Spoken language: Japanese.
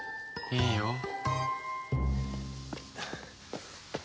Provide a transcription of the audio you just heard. いいよ。